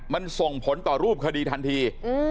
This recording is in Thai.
มันส่งผลต่อรูปคดีทันที